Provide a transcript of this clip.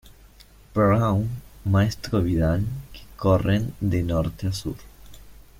Brown, Maestro Vidal, que corren de norte a sur.